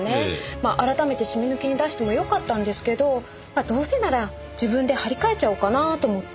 まあ改めてシミ抜きに出してもよかったんですけどどうせなら自分で張り替えちゃおうかなと思って。